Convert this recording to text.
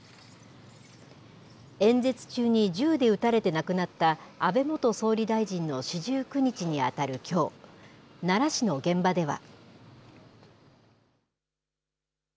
演説中に銃で撃たれて亡くなった、安倍元総理大臣の四十九日に当たるきょう、奈良市の現場では。